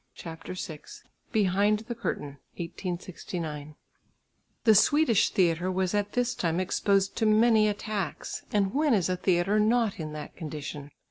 CHAPTER VI BEHIND THE CURTAIN (1869) The Swedish theatre was at this time exposed to many attacks, and when is a theatre not in that condition?